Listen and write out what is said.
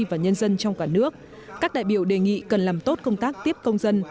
và nhân dân trong cả nước các đại biểu đề nghị cần làm tốt công tác tiếp công dân